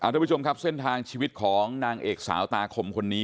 ทุกผู้ชมครับเส้นทางชีวิตของนางเอกสาวตาคมคนนี้